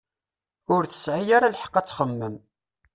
Ur tesɛi ara lḥeq ad txemmem.